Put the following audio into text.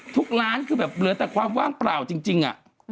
ทุกร้านคือแบบเหลือแต่ความว่างเปล่าจริง